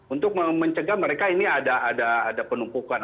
untuk mencegah mereka ini ada penumpukan